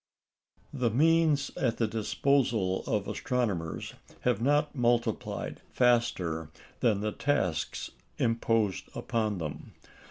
The means at the disposal of astronomers have not multiplied faster than the tasks imposed upon them.